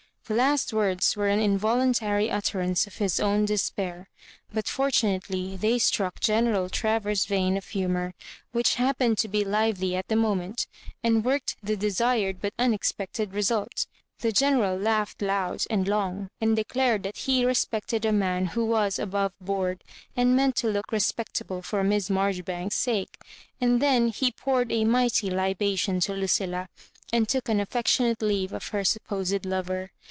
The last words were an involuntary utterance of his own despair, but fortunately they struck General Travers's vein of humour, which happened to be lively at the moment, and worked the desired but unex pected result. The General laughed loud and long, and declared that be respected a man who was above board, and meant to look respectable for Miss Marjoribanks's sake ; and then he pour ed a mighty libation to Lucilla, and took an af fectionate leave of her supposed lover.